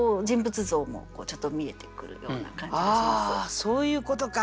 あそういうことか！